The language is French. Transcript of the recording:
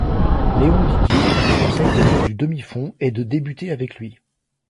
Léon Didier lui conseille de faire du demi-fond et de débuter avec lui.